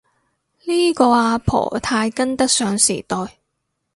呢個阿婆太跟得上時代